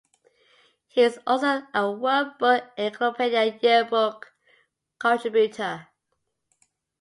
He is also a World Book Encyclopedia Yearbook contributor.